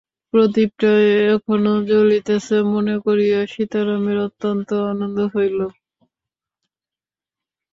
প্রদীপটা এখনো জ্বলিতেছে মনে করিয়া সীতারামের অত্যন্ত আনন্দ হইল।